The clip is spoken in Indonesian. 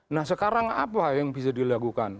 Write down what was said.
nah sekarang apa yang bisa dilakukan